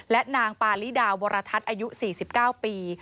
และนางปาริดาวรทัศน์อายุ๔๙ปี